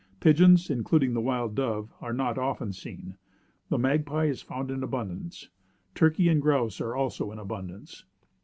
Pigeons, including the wild dove, are not often seen. The magpie is found in abundance. Turkeys and grouse are also in abundance.